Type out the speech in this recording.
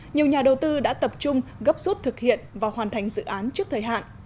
nhiều nhà đầu tư đã tập trung gấp rút thực hiện và hoàn thành dự án trước thời hạn